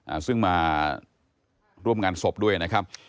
อ่าซึ่งมาร่วมงานศพด้วยนะครับ